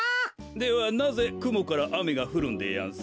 ではなぜくもからあめがふるんでやんす？